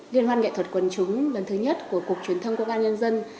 liên hoan nghệ thuật quần chúng lần thứ nhất của cục truyền thông quốc an nhân dân